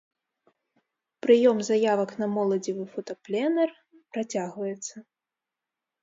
Прыём заявак на моладзевы фотапленэр працягваецца.